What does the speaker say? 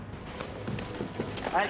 はい。